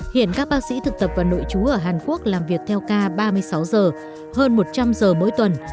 hiện các bác sĩ thực tập và nội chú ở hàn quốc làm việc theo ca ba mươi sáu giờ hơn một trăm linh giờ mỗi tuần